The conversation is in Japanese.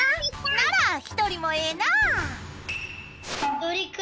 ならひとりもええなあ！